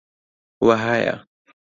وەهایە: